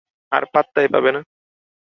আর পাত্তাই পাবে না।